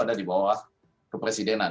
ada di bawah kepresidenan